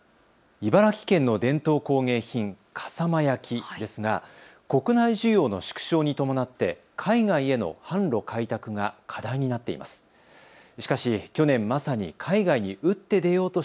茨城県の伝統工芸品、笠間焼ですが国内需要の縮小に伴って海外への販路開拓が課題になっています。